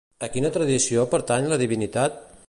A quina tradició pertany la divinitat?